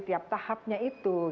tiap tahapnya itu